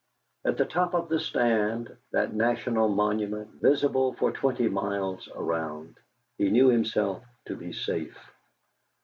At the top of the stand that national monument, visible for twenty miles around he knew himself to be safe.